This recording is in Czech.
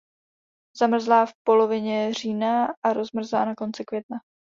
Zamrzá v polovině října a rozmrzá na konci května.